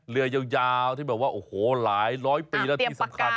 เรือยาวที่แบบว่าโอ้โหหลายร้อยปีแล้วที่สำคัญ